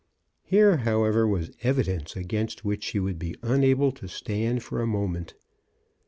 Here, however, was evidence against which she would be unable to stand for a moment.